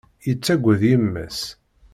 Yettaggad yemma-s.